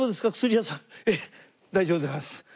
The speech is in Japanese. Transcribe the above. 「ええ大丈夫でございます」。